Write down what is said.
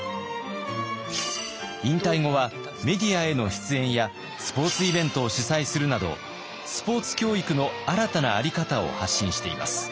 引退後はメディアへの出演やスポーツイベントを主催するなどスポーツ教育の新たなあり方を発信しています。